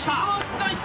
ナイス！